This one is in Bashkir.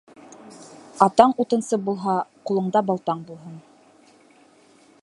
Атаң утынсы булһа, ҡулыңда балтаң булһын.